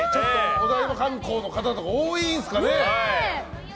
お台場観光の方とか多いんですかね。